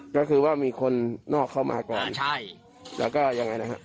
ใช่แล้วก็ยังไงนะครับ